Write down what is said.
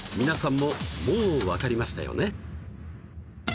皆さんももうわかりましたよね？